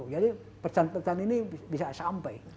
jadi pesan pesan ini bisa sampai